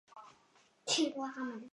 拉兹奎耶。